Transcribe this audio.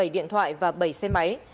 bảy điện thoại và bảy xe máy